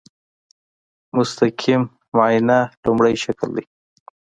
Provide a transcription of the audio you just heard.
مستقیم معاینه لومړی شکل دی.